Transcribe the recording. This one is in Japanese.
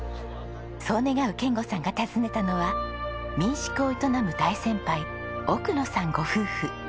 そう願う賢吾さんが訪ねたのは民宿を営む大先輩奧野さんご夫婦。